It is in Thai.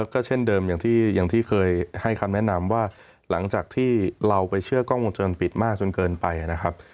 ก็เช่นเดิมอย่างที่เคยให้คำแนะนำว่าหลังจากที่เราไปเชื่อกล้องวงจรปิดมากจนเกินไปนะครับ